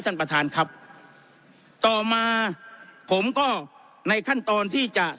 ท่านประธานครับต่อมาผมก็ในขั้นตอนที่จะ